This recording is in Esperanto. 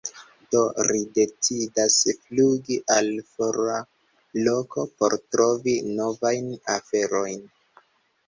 Do ri decidas flugi al fora loko por trovi novajn aferojn.